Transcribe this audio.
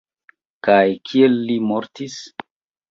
Kaj kiel li mortis?